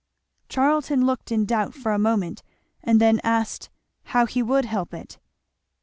Charlton looked in doubt for a moment and then asked "how he would help it?"